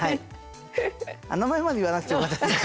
あっ名前まで言わなくてもよかった。